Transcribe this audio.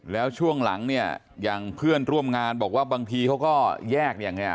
แล้วช่วงหลังเนี่ยอย่างเพื่อนร่วมงานบอกว่าบางทีเขาก็แยกอย่างนี้